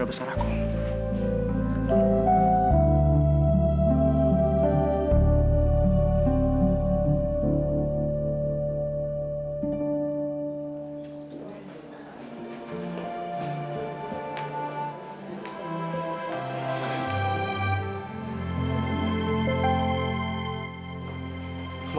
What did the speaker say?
aku pengen lihat semuanya